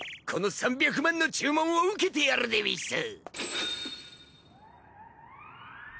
この３００万の注文を受けてやるでうぃす！